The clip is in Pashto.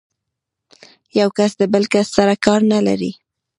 يو کس د بل کس سره کار نه لري.